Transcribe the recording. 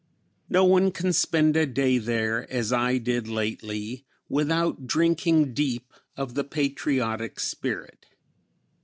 No one can spend a day there, as I did lately, without drinking deep of the patriotic spirit.